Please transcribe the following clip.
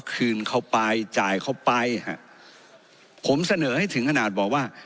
คืนเขาไปจ่ายเขาไปฮะผมเสนอให้ถึงขนาดบอกว่า